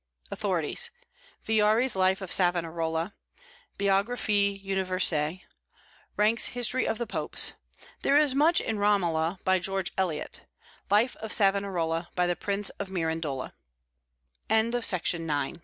AUTHORITIES. Villari's Life of Savonarola; Biographie Universelle; Ranke's History of the Popes. There is much in "Romola," by George Eliot. Life of Savonarola, by the Prince of Mirandola. MICHAEL ANGELO.